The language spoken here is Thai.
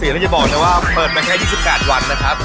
ข้าวเนี่ยจะบอกทำว่าเปิดมาแค่อยู่๒๘วันนะครับ